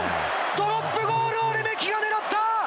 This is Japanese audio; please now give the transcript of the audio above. ドロップゴールをレメキが狙った！